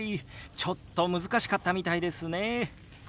ちょっと難しかったみたいですね。